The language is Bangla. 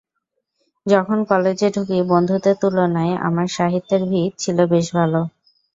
যখন কলেজে ঢুকি, বন্ধুদের তুলনায় আমার সাহিত্যের ভিত ছিল বেশ ভালো।